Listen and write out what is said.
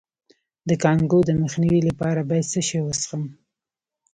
د کانګو د مخنیوي لپاره باید څه شی وڅښم؟